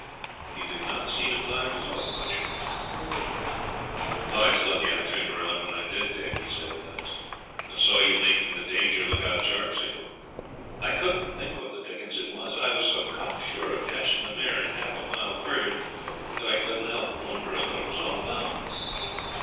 He did not seem inclined to talk much. 'It's lucky I turned round when I did, Dick,' he said at last, 'and saw you making the "danger look out sharp" signal. I couldn't think what the dickens it was. I was so cocksure of catching the mare in half a mile farther that I couldn't help wondering what it was all about.